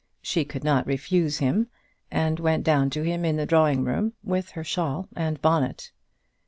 She could not refuse him, and went down to him in the drawing room, with her shawl and bonnet.